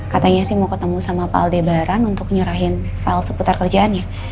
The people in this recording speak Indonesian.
katanya sih mau ketemu sama pak aldebaran untuk nyerahin file seputar kerjaannya